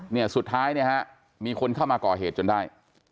เนี่ยสุดท้ายเนี่ยฮะมีคนเข้ามาก่อเหตุจนได้